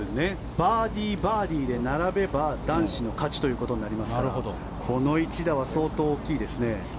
バーディー、バーディーで並べば男子の勝ちということになりますからこの一打は相当大きいですね。